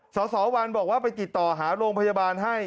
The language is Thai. สสวันบอกว่าไปติดต่อหาโรงพยาบาลให้